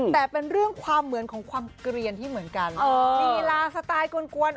แต่เป็นเรื่องความเหมือนของความเกลียนที่เหมือนกันลีลาสไตล์กลวน